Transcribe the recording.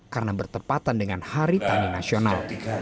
karena bertepatan dengan hari tani nasional